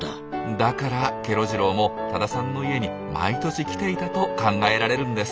だからケロ次郎も多田さんの家に毎年来ていたと考えられるんです。